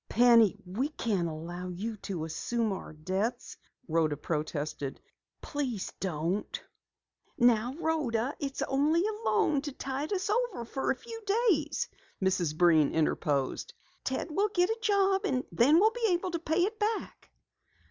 "Penny, we can't allow you to assume our debts," Rhoda protested. "Please don't " "Now Rhoda, it's only a loan to tide us over for a few days," Mrs. Breen interposed. "Ted will get a job and then we'll be able to pay it back."